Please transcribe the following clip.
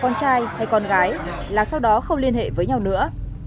con trai hay con gái là sau đó không liên hệ với nhau nữa